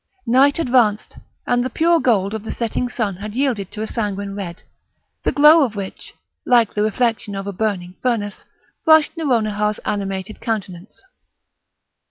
Night advanced, and the pure gold of the setting sun had yielded to a sanguine red, the glow of which, like the reflection of a burning furnace, flushed Nouronihar's animated countenance.